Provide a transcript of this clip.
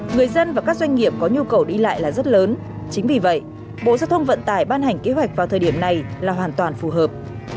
người dân và các doanh nghiệp có nhu cầu đi lại là rất lớn chính vì vậy bộ giao thông vận tải ban hành kế hoạch vào thời điểm này là hoàn toàn phù hợp